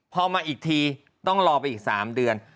พอมาอีกทีต้องรอไปอีก๓เดือน